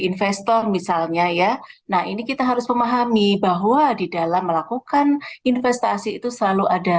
investor misalnya ya nah ini kita harus memahami bahwa di dalam melakukan investasi itu selalu ada